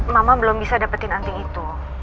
mama belum bisa dapetin anti itu